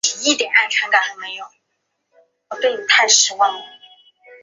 休斯兄弟出生于底特律。